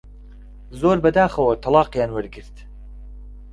زۆر بەداخەوە تەڵاقیان وەرگرت